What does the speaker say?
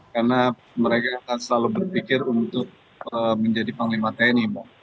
karena mereka akan selalu berpikir untuk menjadi panglima tni